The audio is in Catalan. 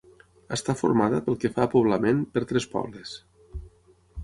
Està formada, pel que fa a poblament, per tres pobles: